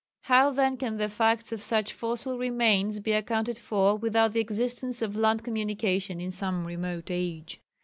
How then can the facts of such fossil remains be accounted for without the existence of land communication in some remote age?